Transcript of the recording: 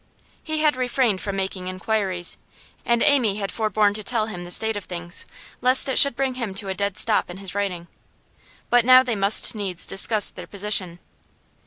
He had refrained from making inquiries, and Amy had forborne to tell him the state of things, lest it should bring him to a dead stop in his writing. But now they must needs discuss their position.